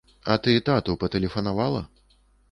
А ты тату патэлефанавала?